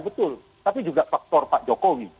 betul tapi juga faktor pak jokowi